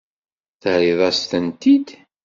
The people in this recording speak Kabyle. Terriḍ-as-tent-id?